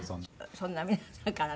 そんな皆さんからね